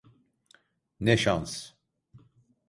Ne şans!